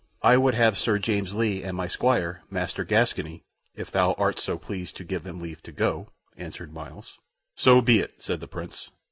"I would have Sir James Lee and my squire, Master Gascoyne, if thou art so pleased to give them leave to go," answered Myles. "So be it," said the Prince.